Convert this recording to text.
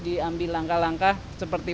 diambil langkah langkah seperti